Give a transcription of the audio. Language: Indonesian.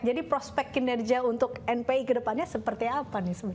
jadi prospek kinerja untuk npi ke depannya seperti apa nih